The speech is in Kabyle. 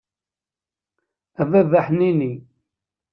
A baba ḥnini!